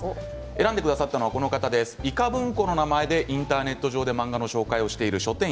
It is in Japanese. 選んでくださったのはいか文庫の名前でインターネット上で漫画の紹介をしている書店員